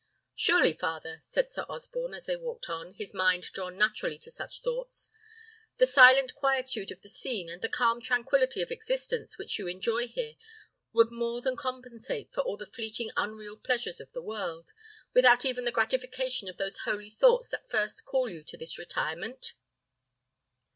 "Surely, father," said Sir Osborne, as they walked on, his mind drawn naturally to such thoughts, "the silent quietude of the scene, and the calm tranquillity of existence which you enjoy here, would more than compensate for all the fleeting unreal pleasures of the world, without even the gratification of those holy thoughts that first call you to this retirement?"